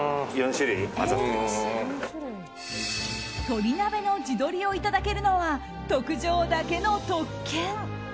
鳥鍋の地鶏をいただけるのは特上だけの特権。